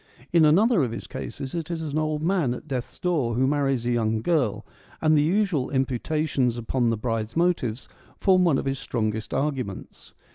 In another of his cases it is an old man at death's door who marries a young girl, and the usual imputations upon the bride's motives form one of his strongest arguments.